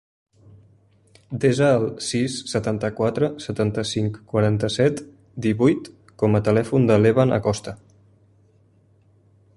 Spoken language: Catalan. Desa el sis, setanta-quatre, setanta-cinc, quaranta-set, divuit com a telèfon de l'Evan Acosta.